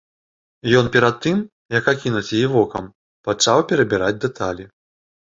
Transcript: Ён перад тым, як акінуць яе вокам, пачаў перабіраць дэталі.